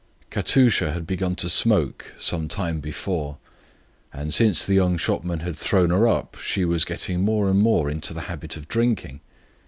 Katusha had begun to smoke some time before, and since the young shopman had thrown her up she was getting more and more into the habit of drinking.